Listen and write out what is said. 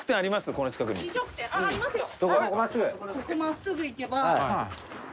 ここ真っすぐ行けば。